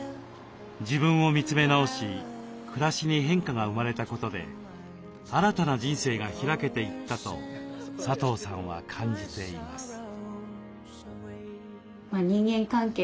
自分を見つめ直し暮らしに変化が生まれたことで新たな人生が開けていったと佐藤さんは感じています。